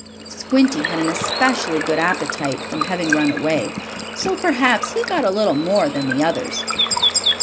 Squinty had an especially good appetite, from having run away, so perhaps he got a little more than the others.